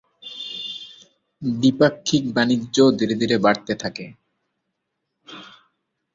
দ্বিপাক্ষিক বাণিজ্য ধীরে ধীরে বাড়তে থাকে।